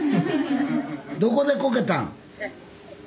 どこでこけたん？